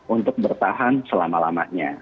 untuk bertahan selama lamanya